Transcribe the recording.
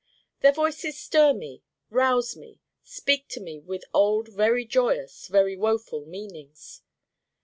Their Voices stir me, rouse me, speak to me with old very joyous, very woful meanings.